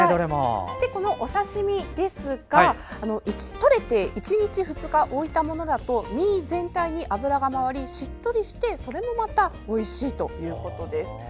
このお刺身ですがとれて１日２日置いたものだと身全体に脂が回り、しっとりしてそれもまたおいしいということです。